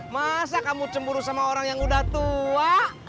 masa kamu cemburu sama orang yang udah tua